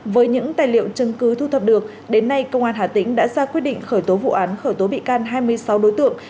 với những tài liệu chứng cứ thu thập được đến nay công an hà tĩnh đã ra quyết định khởi tố vụ án khởi tố bị can hai mươi sáu đối tượng